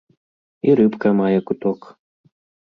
І рыбка мае куток.